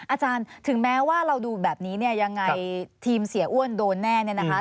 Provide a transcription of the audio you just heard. อาจารย์ถึงแม้ว่าเราดูแบบนี้เนี่ยยังไงทีมเสียอ้วนโดนแน่เนี่ยนะคะ